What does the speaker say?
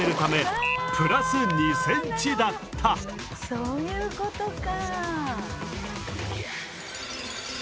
そういうことか。